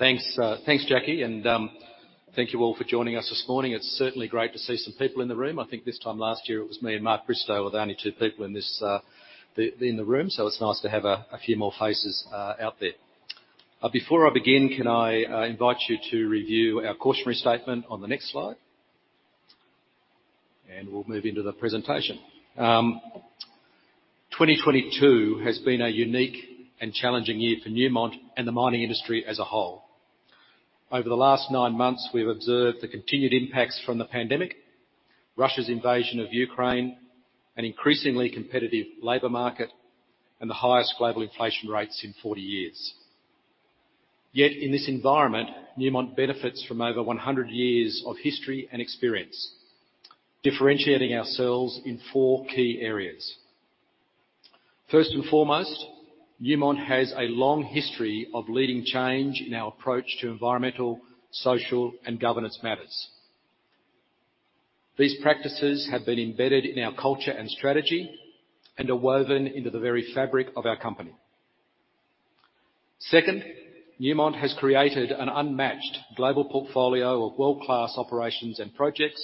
Thanks, Jackie. Thank you all for joining us this morning. It's certainly great to see some people in the room. I think this time last year it was me and Mark Bristow were the only two people in the room. It's nice to have a few more faces out there. Before I begin, can I invite you to review our cautionary statement on the next slide, and we'll move into the presentation. 2022 has been a unique and challenging year for Newmont and the mining industry as a whole. Over the last nine months, we have observed the continued impacts from the pandemic, Russia's invasion of Ukraine, an increasingly competitive labor market, and the highest global inflation rates in 40 years. Yet, in this environment, Newmont benefits from over 100 years of history and experience, differentiating ourselves in four key areas. First and foremost, Newmont has a long history of leading change in our approach to environmental, social, and governance matters. These practices have been embedded in our culture and strategy and are woven into the very fabric of our company. Second, Newmont has created an unmatched global portfolio of world-class operations and projects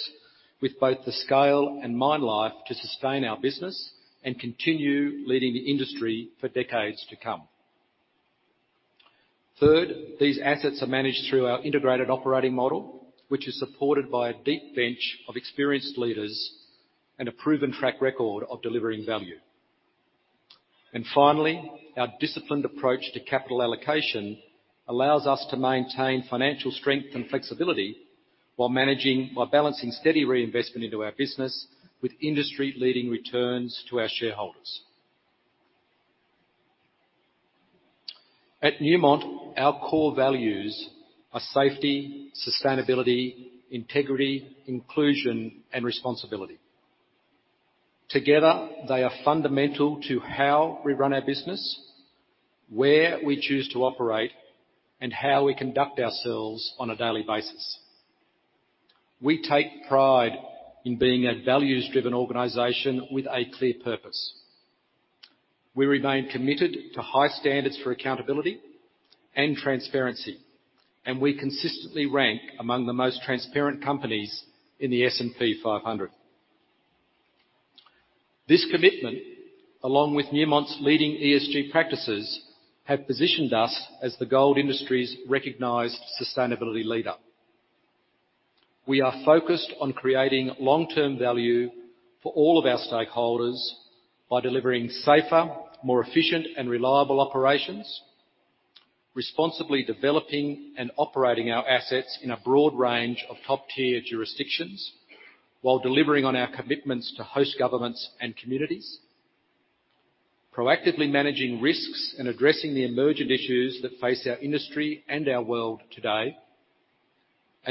with both the scale and mine life to sustain our business and continue leading the industry for decades to come. Third, these assets are managed through our integrated operating model, which is supported by a deep bench of experienced leaders and a proven track record of delivering value. Finally, our disciplined approach to capital allocation allows us to maintain financial strength and flexibility by balancing steady reinvestment into our business with industry-leading returns to our shareholders. At Newmont, our core values are safety, sustainability, integrity, inclusion, and responsibility. Together, they are fundamental to how we run our business, where we choose to operate, and how we conduct ourselves on a daily basis. We take pride in being a values-driven organization with a clear purpose. We remain committed to high standards for accountability and transparency, and we consistently rank among the most transparent companies in the S&P 500. This commitment, along with Newmont's leading ESG practices, have positioned us as the gold industry's recognized sustainability leader. We are focused on creating long-term value for all of our stakeholders by delivering safer, more efficient, and reliable operations. Responsibly developing and operating our assets in a broad range of top-tier jurisdictions while delivering on our commitments to host governments and communities. Proactively managing risks and addressing the emergent issues that face our industry and our world today.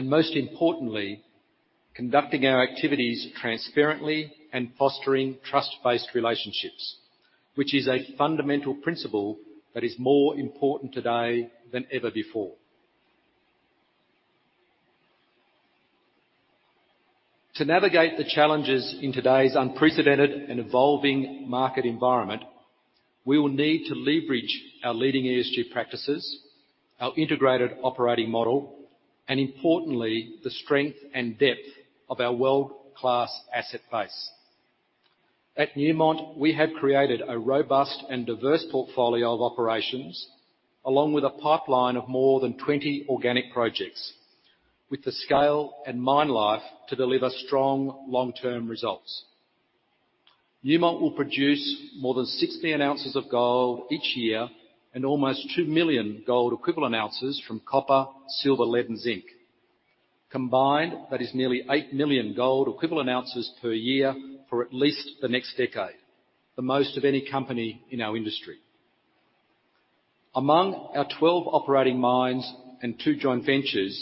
Most importantly, conducting our activities transparently and fostering trust-based relationships, which is a fundamental principle that is more important today than ever before. To navigate the challenges in today's unprecedented and evolving market environment, we will need to leverage our leading ESG practices, our integrated operating model, and importantly, the strength and depth of our world-class asset base. At Newmont, we have created a robust and diverse portfolio of operations, along with a pipeline of more than 20 organic projects with the scale and mine life to deliver strong long-term results. Newmont will produce more than six million ounces of gold each year and almost 2 million gold equivalent ounces from copper, silver, lead, and zinc. Combined, that is nearly 8 million gold equivalent ounces per year for at least the next decade, the most of any company in our industry. Among our 12 operating mines and two joint ventures,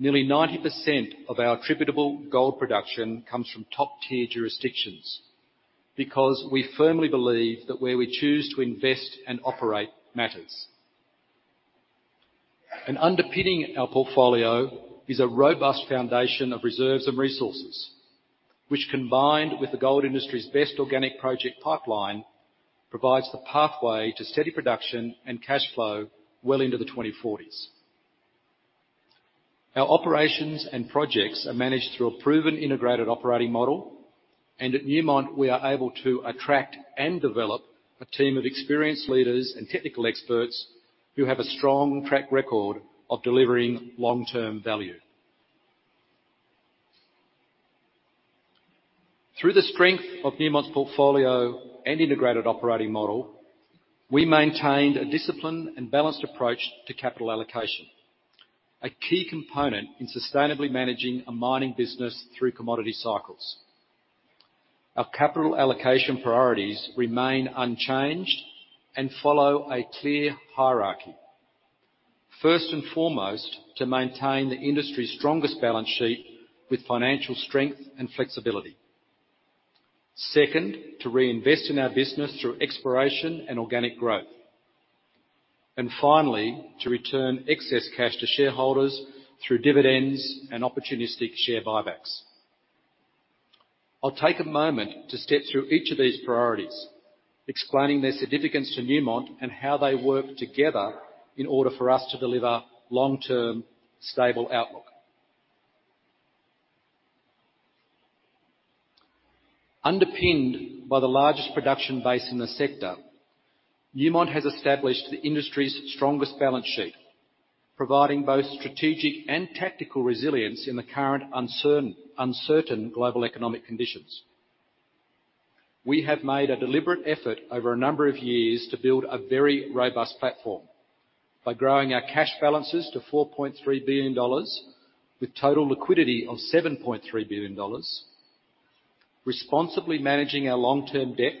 nearly 90% of our attributable gold production comes from top-tier jurisdictions because we firmly believe that where we choose to invest and operate matters. Underpinning our portfolio is a robust foundation of reserves and resources, which combined with the gold industry's best organic project pipeline, provides the pathway to steady production and cash flow well into the 2040s. Our operations and projects are managed through a proven integrated operating model, and at Newmont, we are able to attract and develop a team of experienced leaders and technical experts who have a strong track record of delivering long-term value. Through the strength of Newmont's portfolio and integrated operating model, we maintained a disciplined and balanced approach to capital allocation, a key component in sustainably managing a mining business through commodity cycles. Our capital allocation priorities remain unchanged and follow a clear hierarchy. First and foremost, to maintain the industry's strongest balance sheet with financial strength and flexibility. Second, to reinvest in our business through exploration and organic growth. Finally, to return excess cash to shareholders through dividends and opportunistic share buybacks. I'll take a moment to step through each of these priorities, explaining their significance to Newmont and how they work together in order for us to deliver long-term stable outlook. Underpinned by the largest production base in the sector, Newmont has established the industry's strongest balance sheet, providing both strategic and tactical resilience in the current uncertain global economic conditions. We have made a deliberate effort over a number of years to build a very robust platform by growing our cash balances to $4.3 billion with total liquidity of $7.3 billion, responsibly managing our long-term debt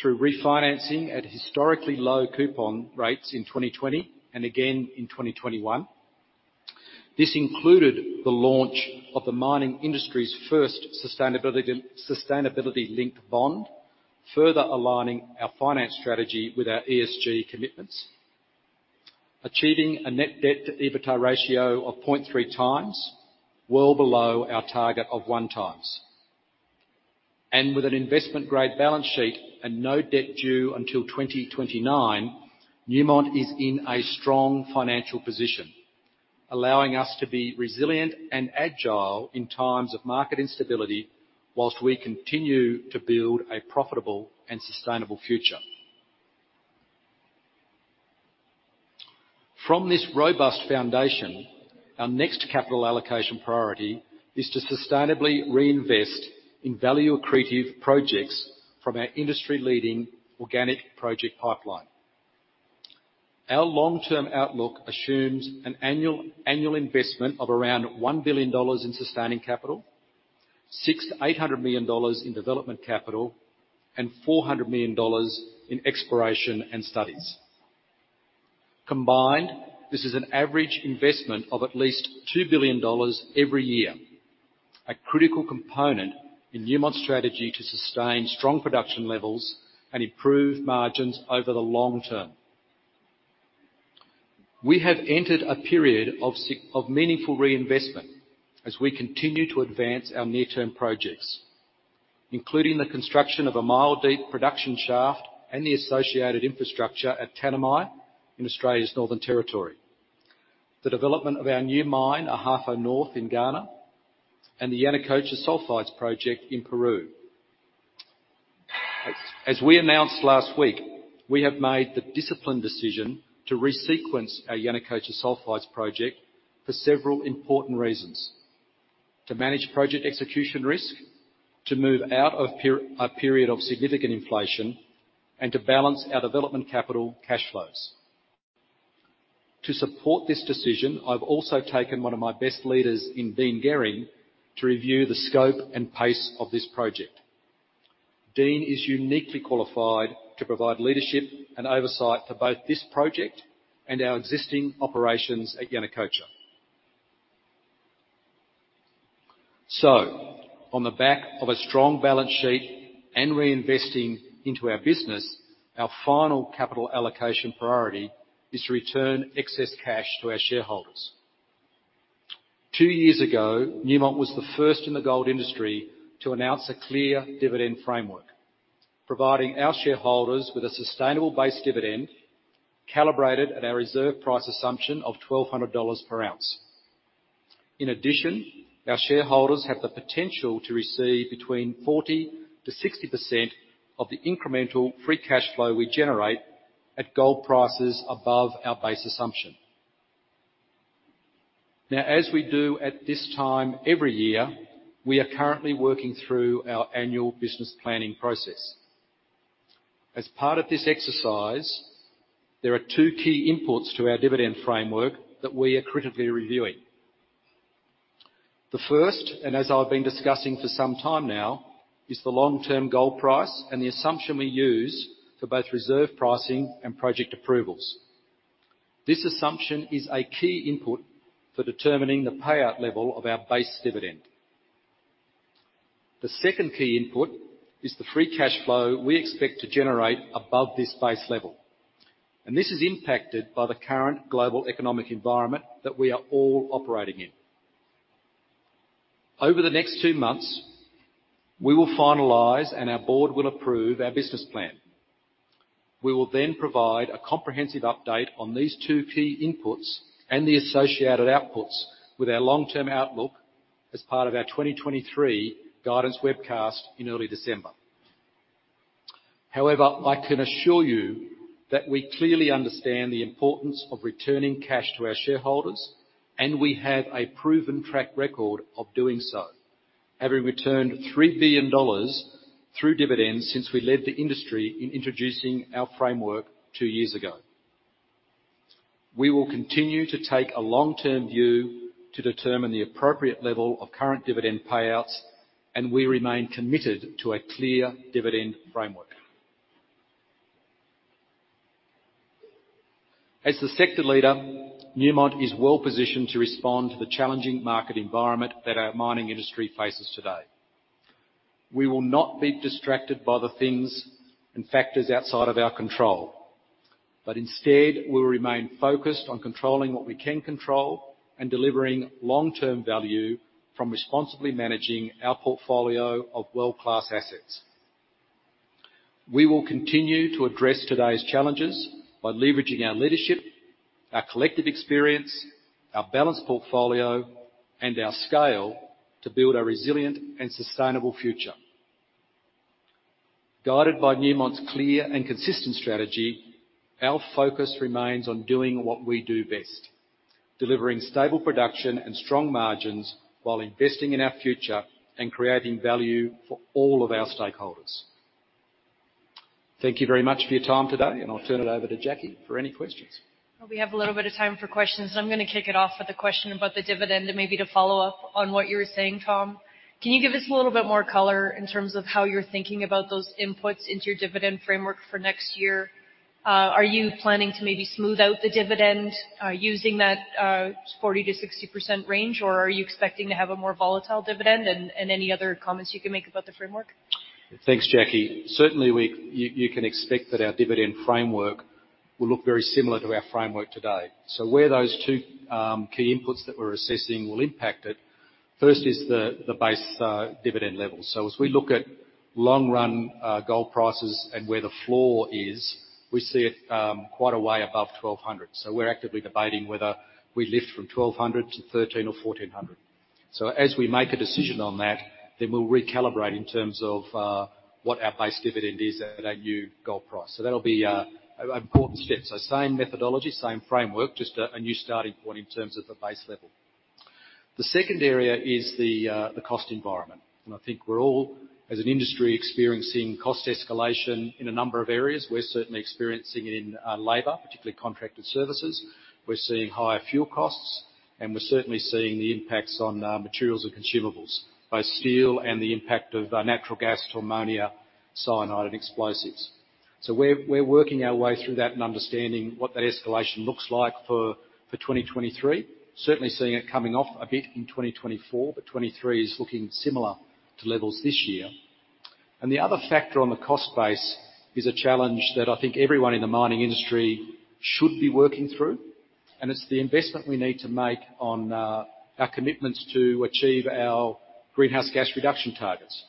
through refinancing at historically low coupon rates in 2020, and again in 2021. This included the launch of the mining industry's first sustainability-linked bond, further aligning our financial strategy with our ESG commitments. Achieving a net debt to EBITDA ratio of 0.3x, well below our target of 1x. With an investment-grade balance sheet and no debt due until 2029, Newmont is in a strong financial position, allowing us to be resilient and agile in times of market instability, while we continue to build a profitable and sustainable future. From this robust foundation, our next capital allocation priority is to sustainably reinvest in value-accretive projects from our industry-leading organic project pipeline. Our long-term outlook assumes an annual investment of around $1 billion in sustaining capital, $600 million to $800 million in development capital, and $400 million in exploration and studies. Combined, this is an average investment of at least $2 billion every year, a critical component in Newmont's strategy to sustain strong production levels and improve margins over the long term. We have entered a period of meaningful reinvestment as we continue to advance our near-term projects, including the construction of a mile-deep production shaft and the associated infrastructure at Tanami in Australia's Northern Territory, the development of our new mine, Ahafo North in Ghana, and the Yanacocha Sulfides project in Peru. As we announced last week, we have made the disciplined decision to resequence our Yanacocha Sulfides project for several important reasons. To manage project execution risk, to move out of a period of significant inflation, and to balance our development capital cash flows. To support this decision, I've also taken one of my best leaders in Dean Gehring to review the scope and pace of this project. Dean is uniquely qualified to provide leadership and oversight for both this project and our existing operations at Yanacocha. On the back of a strong balance sheet and reinvesting into our business, our final capital allocation priority is to return excess cash to our shareholders. Two years ago, Newmont was the first in the gold industry to announce a clear dividend framework, providing our shareholders with a sustainable base dividend calibrated at our reserve price assumption of $1,200 per ounce. In addition, our shareholders have the potential to receive between 40% to 60% of the incremental free cash flow we generate at gold prices above our base assumption. Now, as we do at this time every year, we are currently working through our annual business planning process. As part of this exercise, there are two key inputs to our dividend framework that we are critically reviewing. The first, and as I've been discussing for some time now, is the long-term gold price and the assumption we use for both reserve pricing and project approvals. This assumption is a key input for determining the payout level of our base dividend. The second key input is the free cash flow we expect to generate above this base level, and this is impacted by the current global economic environment that we are all operating in. Over the next two months, we will finalize and our board will approve our business plan. We will then provide a comprehensive update on these two key inputs and the associated outputs with our long-term outlook as part of our 2023 guidance webcast in early December. However, I can assure you that we clearly understand the importance of returning cash to our shareholders, and we have a proven track record of doing so. Having returned $3 billion through dividends since we led the industry in introducing our framework two years ago. We will continue to take a long-term view to determine the appropriate level of current dividend payouts, and we remain committed to a clear dividend framework. As the sector leader, Newmont is well-positioned to respond to the challenging market environment that our mining industry faces today. We will not be distracted by the things and factors outside of our control. Instead, we'll remain focused on controlling what we can control and delivering long-term value from responsibly managing our portfolio of world-class assets. We will continue to address today's challenges by leveraging our leadership, our collective experience, our balanced portfolio, and our scale to build a resilient and sustainable future. Guided by Newmont's clear and consistent strategy, our focus remains on doing what we do best, delivering stable production and strong margins while investing in our future and creating value for all of our stakeholders. Thank you very much for your time today, and I'll turn it over to Jackie for any questions. Well, we have a little bit of time for questions, and I'm gonna kick it off with a question about the dividend and maybe to follow up on what you were saying, Tom. Can you give us a little bit more color in terms of how you're thinking about those inputs into your dividend framework for next year? Are you planning to maybe smooth out the dividend using that 40% to 60% range, or are you expecting to have a more volatile dividend and any other comments you can make about the framework? Thanks, Jackie. Certainly, you can expect that our dividend framework will look very similar to our framework today. Where those two key inputs that we're assessing will impact it, first is the base dividend level. As we look at long-run gold prices and where the floor is, we see it quite a way above $1,200. We're actively debating whether we lift from $1,200 to $1,300 or $1,400. As we make a decision on that, we'll recalibrate in terms of what our base dividend is at our new gold price. That'll be an important step. Same methodology, same framework, just a new starting point in terms of the base level. The second area is the cost environment, and I think we're all, as an industry, experiencing cost escalation in a number of areas. We're certainly experiencing it in labor, particularly contracted services. We're seeing higher fuel costs, and we're certainly seeing the impacts on materials and consumables, both steel and the impact of natural gas to ammonia, cyanide, and explosives. We're working our way through that and understanding what that escalation looks like for 2023. Certainly seeing it coming off a bit in 2024, but 2023 is looking similar to levels this year. The other factor on the cost base is a challenge that I think everyone in the mining industry should be working through, and it's the investment we need to make on our commitments to achieve our greenhouse gas reduction targets.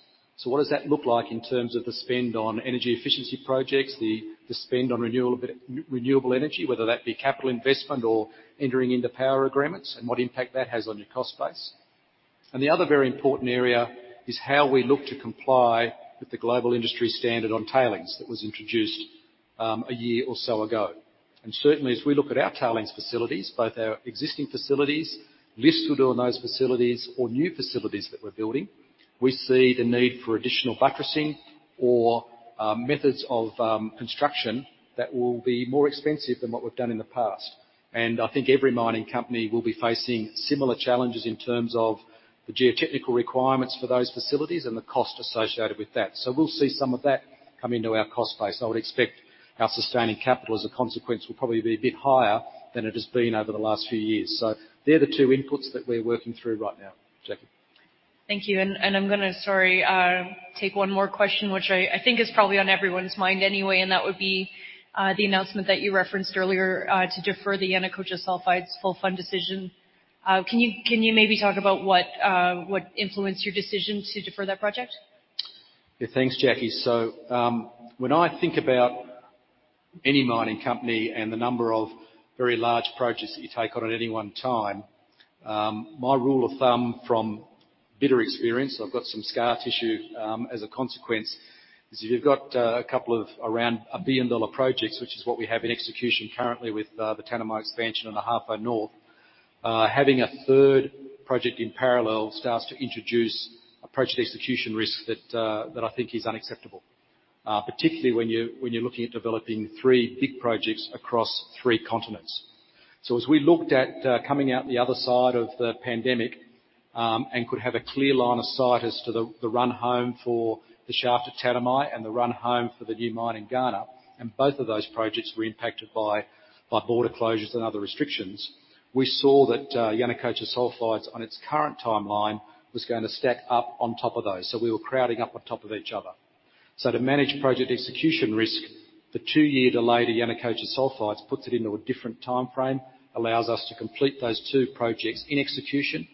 What does that look like in terms of the spend on energy efficiency projects, the spend on renewable energy, whether that be capital investment or entering into power agreements, and what impact that has on your cost base? The other very important area is how we look to comply with the Global Industry Standard on Tailings that was introduced a year or so ago. Certainly, as we look at our tailings facilities, both our existing facilities, lifts to do on those facilities or new facilities that we're building, we see the need for additional buttressing or methods of construction that will be more expensive than what we've done in the past. I think every mining company will be facing similar challenges in terms of the geotechnical requirements for those facilities and the cost associated with that. We'll see some of that come into our cost base. I would expect our sustaining capital as a consequence will probably be a bit higher than it has been over the last few years. They're the two inputs that we're working through right now, Jackie. Thank you, and I'm gonna, sorry, take one more question which I think is probably on everyone's mind anyway, and that would be the announcement that you referenced earlier to defer the Yanacocha Sulfides full funding decision. Can you maybe talk about what influenced your decision to defer that project? Yeah. Thanks, Jackie. When I think about any mining company and the number of very large projects that you take on at any one time, my rule of thumb from bitter experience, I've got some scar tissue, as a consequence, is if you've got a couple of around a billion-dollar projects, which is what we have in execution currently with the Tanami expansion and the Ahafo North, having a third project in parallel starts to introduce a project execution risk that I think is unacceptable, particularly when you're looking at developing three big projects across three continents. As we looked at coming out the other side of the pandemic, and could have a clear line of sight as to the run home for the shaft at Tanami and the run home for the new mine in Ghana, and both of those projects were impacted by border closures and other restrictions. We saw that Yanacocha Sulfides on its current timeline was gonna stack up on top of those. We were crowding up on top of each other. To manage project execution risk, the two-year delay to Yanacocha Sulfides puts it into a different timeframe, allows us to complete those two projects in execution,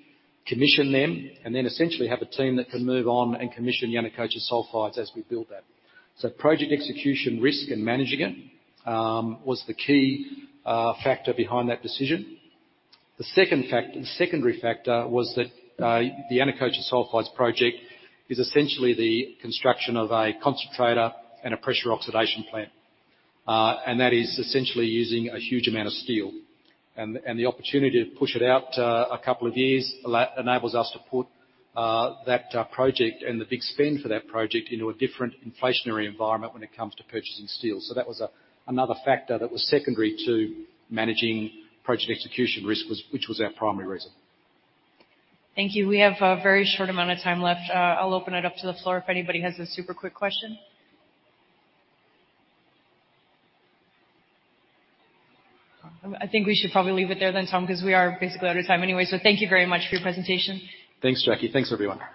commission them, and then essentially have a team that can move on and commission Yanacocha Sulfides as we build that. Project execution risk and managing it was the key factor behind that decision. The second factor, secondary factor, was that the Yanacocha Sulfides project is essentially the construction of a concentrator and a pressure oxidation plant. That is essentially using a huge amount of steel. The opportunity to push it out a couple of years enables us to put that project and the big spend for that project into a different inflationary environment when it comes to purchasing steel. That was another factor that was secondary to managing project execution risk, which was our primary reason. Thank you. We have a very short amount of time left. I'll open it up to the floor if anybody has a super quick question. I think we should probably leave it there then, Tom, because we are basically out of time anyway. Thank you very much for your presentation. Thanks, Jackie. Thanks, everyone.